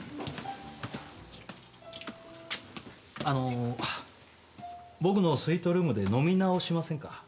あの僕のスイートルームで飲み直しませんか？